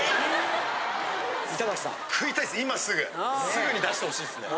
すぐに出してほしいですね。